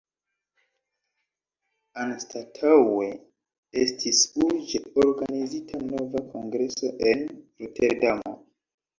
Anstataŭe estis urĝe organizita nova kongreso en Roterdamo.